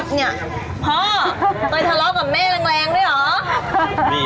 พ่อไปทะเลาะกับแม่แรงด้วยหรอ